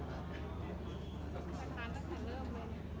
แล้วพร้าทนักฆ่าเลือดไว้